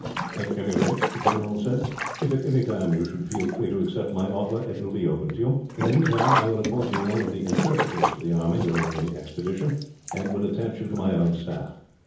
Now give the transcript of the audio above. "At any rate," the general said, "if at any time you should feel free to accept my offer, it will be open to you. In the meantime, I will appoint you one of the interpreters to the army, during the expedition, and will attach you to my own staff.